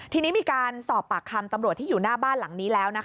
ทีนี้มีการสอบปากคำตำรวจที่อยู่หน้าบ้านหลังนี้แล้ว